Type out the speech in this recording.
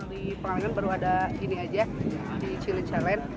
di palengan baru ada ini aja di cilenca land